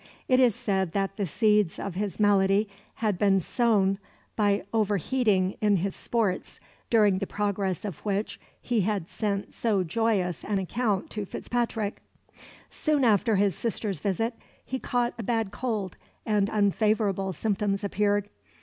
It is said that the seeds of his malady had been sown by over heating in his sports, during the progress of which he had sent so joyous an account to Fitzpatrick. Soon after his sister's visit he caught a bad cold, and unfavourable symptoms appeared.